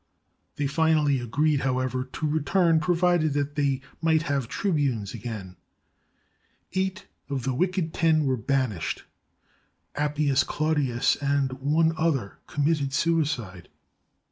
They finally agreed, however, to return, provided they might have tribunes again. Eight of the "wicked ten" were ban ished. Appius Claudius and one other committed sui cide.